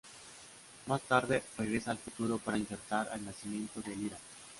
Más tarde regresa al futuro para insertar el nacimiento de Lyra.